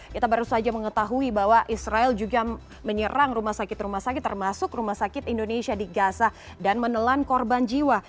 kita baru saja mengetahui bahwa israel juga menyerang rumah sakit rumah sakit termasuk rumah sakit indonesia di gaza dan menelan korban jiwa